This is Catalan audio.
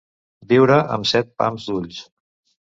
Viure amb set pams d'ulls.